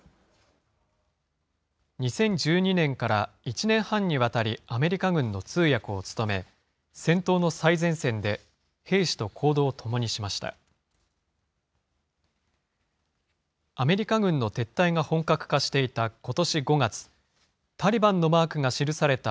２０１２年から１年半にわたり、アメリカ軍の通訳を務め、戦闘の最前線で兵士と行動を共にしました。